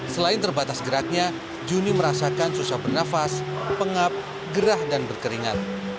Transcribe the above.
selain terbatas geraknya juni merasakan susah bernafas pengap gerah dan berkeringat